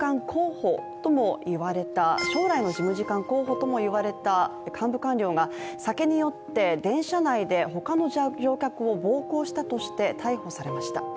財務省で、将来の事務次官候補とも言われた、幹部官僚が酒に酔って電車内で他の乗客を暴行したとして逮捕されました。